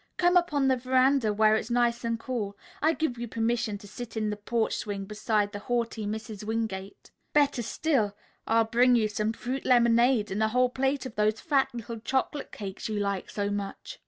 "Come up on the veranda where it's nice and cool. I give you permission to sit in the porch swing beside the haughty Mrs. Wingate. Better still, I'll bring you some fruit lemonade and a whole plate of those fat little chocolate cakes you like so much."